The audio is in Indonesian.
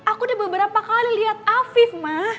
aku udah beberapa kali lihat afif mah